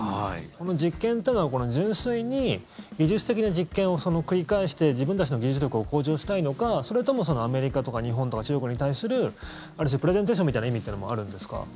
この実験というのは純粋に技術的な実験を繰り返して自分たちの技術力を向上したいのかそれとも、アメリカとか日本とか中国に対するある種プレゼンテーションみたいな意味ってのもあるんですか？